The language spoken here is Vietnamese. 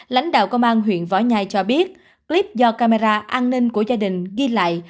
lãnh đạo công an huyện võ nhai cho biết clip do camera an ninh của gia đình ghi lại